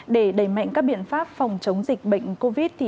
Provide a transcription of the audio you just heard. để đẩy mạnh các biện pháp phòng chống dịch bệnh covid